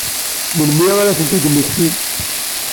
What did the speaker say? Melmi ara ad tent-id-mmektin?